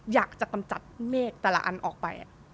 อยากจะกำจัดเมฆแต่ละอันออกไป